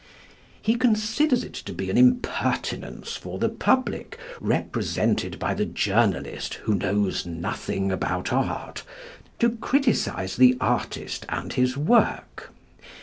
He considers it to be an impertinence for the public (represented by the journalist) who knows nothing about art to criticise the artist and his work.